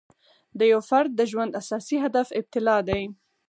د یو فرد د ژوند اساسي هدف ابتلأ دی.